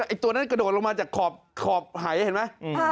ไอ้ตัวนั้นกระโดดลงมาจากขอบหายเห็นไหม